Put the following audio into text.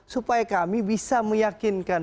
supaya kami bisa meyakinkan